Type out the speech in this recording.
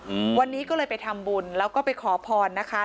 อืมวันนี้ก็เลยไปทำบุญแล้วก็ไปขอพรนะคะ